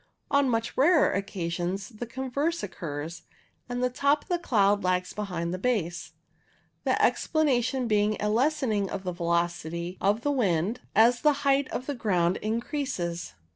On much rarer occasions the converse occurs, and the top of the cloud lags behind the base, the explanation being a lessening of the velocity of the wind as the height above ground increases.